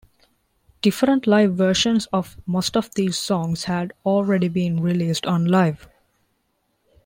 Different live versions of most of these songs had already been released on Live!